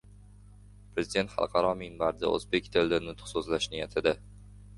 Prezident xalqaro minbarda o‘zbek tilida nutq so‘zlash niyatida